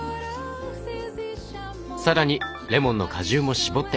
更にレモンの果汁も搾って。